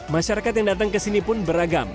masyarakat yang datang kesini pun beragam